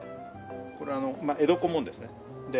これは江戸小紋ですね。